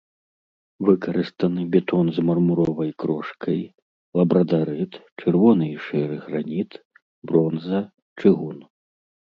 Выкарыстаны бетон з мармуровай крошкай, лабрадарыт, чырвоны і шэры граніт, бронза, чыгун.